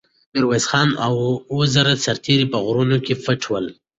د میرویس خان اوه زره سرتېري په غرونو کې پټ ول.